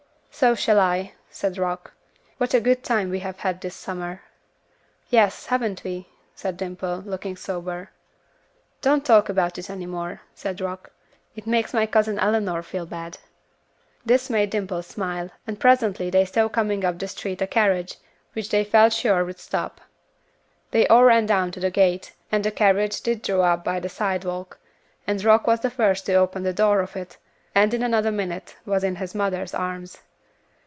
"So shall I," said Rock. "What a good time we have had this summer." "Yes. Haven't we?" said Dimple, looking sober. "Don't talk about it any more," said Rock. "It makes my Cousin Eleanor feel bad." This made Dimple smile, and presently they saw coming up the street a carriage, which they felt sure would stop. They all ran down to the gate, and the carriage did draw up by the sidewalk, and Rock was the first to open the door of it, and in another minute was in his mother's arms.